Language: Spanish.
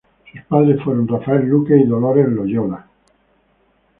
Sus padres fueron Rafael Luque y Dolores Loyola.